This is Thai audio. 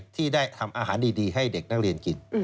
ที่ได้ทำอาหารดีให้เด็กนักเรียนกิน